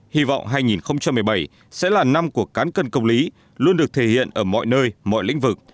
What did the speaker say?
hy vọng hai nghìn một mươi bảy sẽ là năm của cán cân công lý luôn được thể hiện ở mọi nơi mọi lĩnh vực